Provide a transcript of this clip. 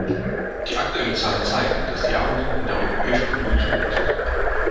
Die aktuellen Zahlen zeigen, dass die Armut in der Europäischen Union zunimmt.